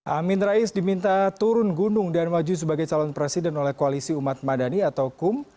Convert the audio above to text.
amin rais diminta turun gunung dan maju sebagai calon presiden oleh koalisi umat madani atau kum